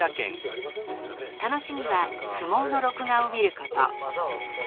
楽しみは相撲の録画を見ること。